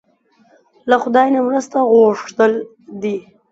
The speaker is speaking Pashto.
له خدای نه مرسته غوښتل دي.